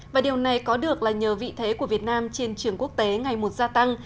và điều này có được là nhờ vị thế của việt nam trên trường quốc tế ngày một gia tăng